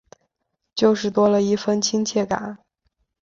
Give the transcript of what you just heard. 就是多了一分亲切感